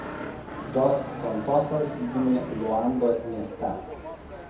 Dos Santosas gimė Luandos mieste.